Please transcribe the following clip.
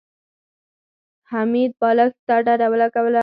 حميد بالښت ته ډډه ولګوله.